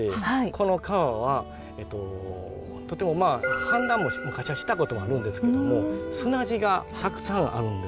この川はとても氾濫も昔はしたことがあるんですけども砂地がたくさんあるんですね。